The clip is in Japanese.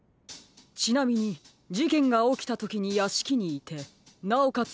ちなみにじけんがおきたときにやしきにいてなおかつ